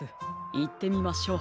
いってみましょう。